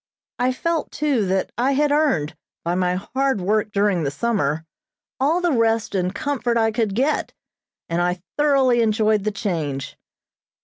I felt, too, that I had earned, by my hard work during the summer, all the rest and comfort I could get, and I thoroughly enjoyed the change.